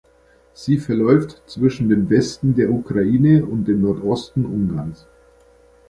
Sie verläuft zwischen dem Westen der Ukraine und dem Nordosten Ungarns.